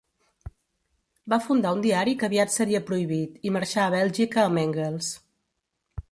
Va fundar un diari que aviat seria prohibit, i marxà a Bèlgica amb Engels.